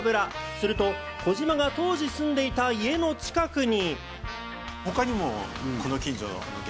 すると児嶋が当時住んでいた家の近くに。